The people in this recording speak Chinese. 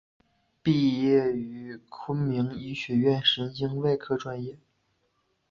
毕业于昆明医学院神经外科专业。